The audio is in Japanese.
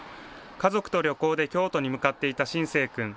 家族と旅行で京都に向かっていた心誠君。